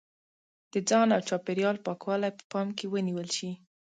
د ځان او چاپېریال پاکوالی په پام کې ونیول شي.